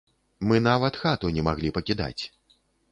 Мы нават хату не маглі пакідаць.